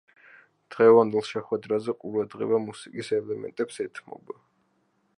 დღევანდელ შეხვედრაზე, ყურადღება მუსიკის ელემენტებს ეთმობა.